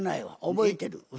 覚えてる。